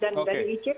dan dari icp